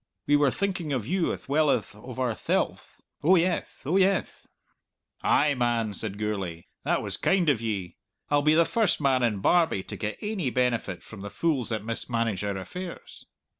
We were thinking of you ath well ath of ourthelves! Oh yeth, oh yeth!" "Ay, man!" said Gourlay, "that was kind of ye! I'll be the first man in Barbie to get ainy benefit from the fools that mismanage our affairs."